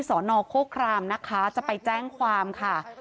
สอนอโคครามนะคะจะไปแจ้งความค่ะ